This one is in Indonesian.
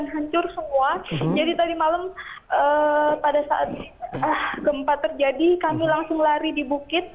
hancur semua jadi tadi malam pada saat gempa terjadi kami langsung lari di bukit